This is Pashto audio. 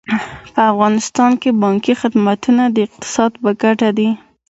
په افغانستان کې بانکي خدمتونه د اقتصاد په ګټه دي.